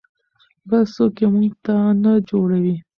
بل څوک یې موږ ته نه جوړوي.